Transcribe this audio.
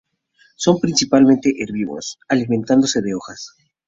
Son principalmente herbívoros, alimentándose de hojas.